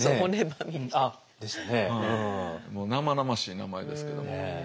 もう生々しい名前ですけども。